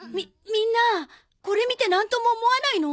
みんなこれ見てなんとも思わないの？